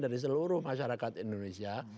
dari seluruh masyarakat indonesia